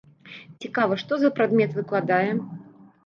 Цікава, што за прадмет выкладае?